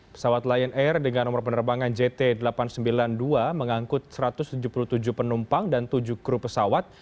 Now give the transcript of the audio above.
pesawat lion air dengan nomor penerbangan jt delapan ratus sembilan puluh dua mengangkut satu ratus tujuh puluh tujuh penumpang dan tujuh kru pesawat